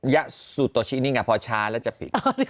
ยะสุโตชินี่ไงเพราะช้าแล้วจะผิด